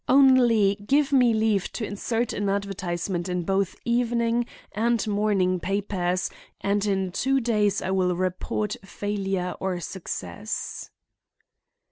Only give me leave to insert an advertisement in both evening and morning papers and in two days I will report failure or success."